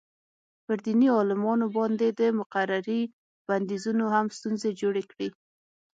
پر دیني عالمانو باندې د مقررې بندیزونو هم ستونزې جوړې کړې.